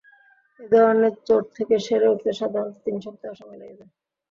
এ ধরনের চোট থেকে সেরে উঠতে সাধারণত তিন সপ্তাহ সময় লেগে যায়।